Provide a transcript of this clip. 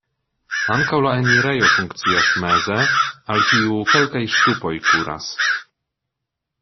Ankaŭ la enirejo funkcias meze, al kiu kelkaj ŝtupoj kuras.